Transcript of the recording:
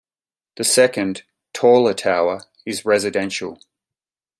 The second, taller tower, is residential.